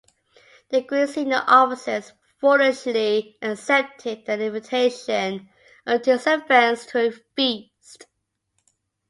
The Greek senior officers foolishly accepted the invitation of Tissaphernes to a feast.